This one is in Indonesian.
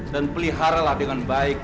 dan pelihara dengan baik